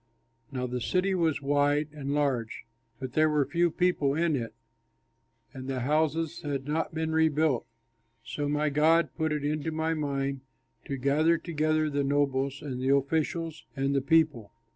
Now the city was wide and large, but there were few people in it, and the houses had not been rebuilt. So my God put it into my mind to gather together the nobles and the officials and the people.